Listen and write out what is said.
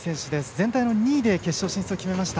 全体の２位で決勝進出を決めました。